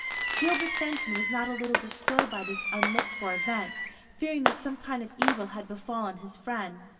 Gilbert Fenton was not a little disturbed by this unlooked for event, fearing that some kind of evil had befallen his friend.